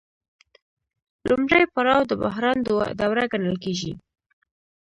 لومړی پړاو د بحران دوره ګڼل کېږي